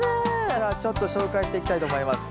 さあちょっと紹介していきたいと思います。